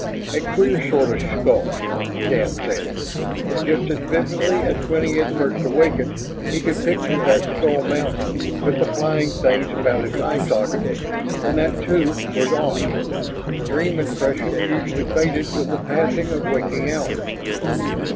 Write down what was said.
"A queer sort of skull," Shann said. Just as vividly as when he had first awakened, he could picture that skull mountain with the flying things about its eye sockets. And that, too, was odd; dream impressions usually faded with the passing of waking hours.